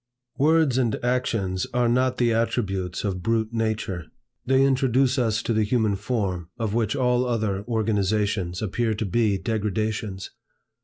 Words and actions are not the attributes of brute nature. They introduce us to the human form, of which all other organizations appear to be degradations.